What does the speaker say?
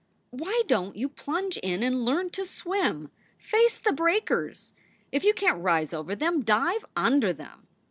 "Why don t you plunge in and learn to swim; face the breakers; if you can t rise over them, dive under them.